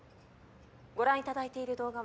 ご覧いただいている動画は。